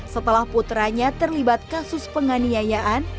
setelah putranya terlibat kasus penganiayaan